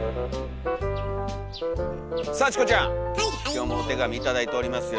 今日もお手紙頂いておりますよ。